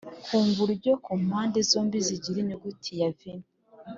ku buryo ku mpande zombi zigira inyuguti ya V